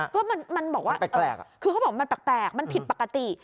ก็มันบอกว่าแปลกคือเขาบอกว่ามันแปลกมันผิดปกติ